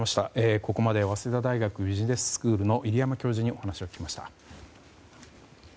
ここまで早稲田大学ビジネススクールの入山教授にお話を聞きました。